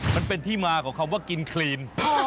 มันเป็นที่มาของคำว่ากินคลีน